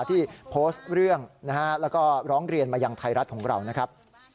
ที่โพสต์เรื่องนะฮะแล้วก็ร้องเรียนมายังไทยรัฐของเรานะครับ